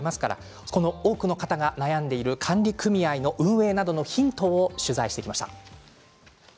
多くの方が悩んでいる管理組合の運営のヒントを取材してきました。